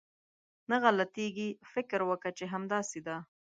نه غلطېږي، فکر وکه چې همداسې ده.